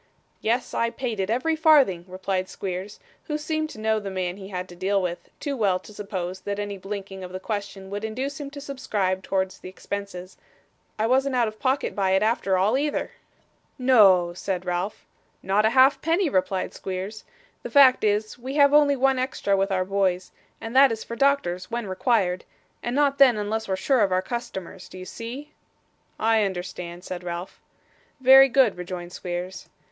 'Yes, I paid it, every farthing,' replied Squeers, who seemed to know the man he had to deal with, too well to suppose that any blinking of the question would induce him to subscribe towards the expenses; 'I wasn't out of pocket by it after all, either.' 'No!' said Ralph. 'Not a halfpenny,' replied Squeers. 'The fact is, we have only one extra with our boys, and that is for doctors when required and not then, unless we're sure of our customers. Do you see?' 'I understand,' said Ralph. 'Very good,' rejoined Squeers.